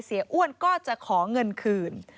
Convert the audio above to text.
อ้วนก็จะขอเงินคืน